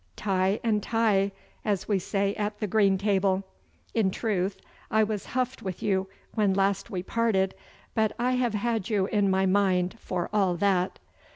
Tie and tie, as we say at the green table. In truth, I was huffed with you when last we parted, but I have had you in my mind for all that.